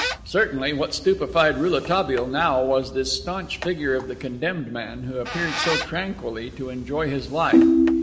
Certainly what stupefied Rouletabille now was this staunch figure of the condemned man who appeared so tranquilly to enjoy his life.